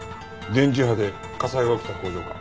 電磁波で火災が起きた工場か。